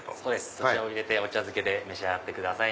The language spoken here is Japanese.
そちらを入れてお茶漬けで召し上がってください。